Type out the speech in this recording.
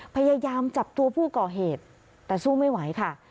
พยายามจับตัวผู้ก่อเหตุแต่สู้ไม่ไหวค่ะ